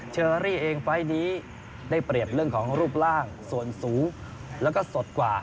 เชอรี่เองไฟล์นี้ได้เปรียบเรื่องของรูปร่างส่วนสูงแล้วก็สดกว่า